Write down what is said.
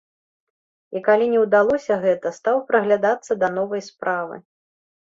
І калі не ўдалося гэта, стаў прыглядацца да новай справы.